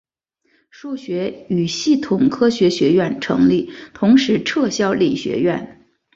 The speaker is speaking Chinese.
数学与系统科学学院成立同时撤销理学院。